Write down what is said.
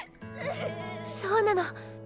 そうなの！